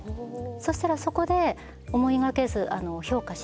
そしたらそこで思いがけず評価していただいて。